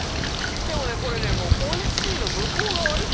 でもねこれねもうおいしいの向こう側です